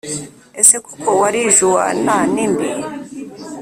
Ese koko marijuwana ni mbi?